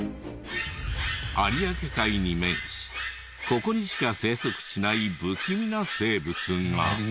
有明海に面しここにしか生息しない不気味な生物が。